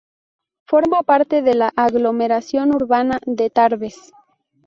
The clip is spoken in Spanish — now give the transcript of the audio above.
Forma parte de la aglomeración urbana de Tarbes.